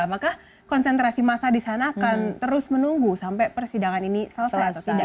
apakah konsentrasi massa di sana akan terus menunggu sampai persidangan ini selesai atau tidak